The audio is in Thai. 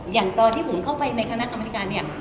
อย่างที่ผมเข้าไปในคณะกรรมธิการเนี่ย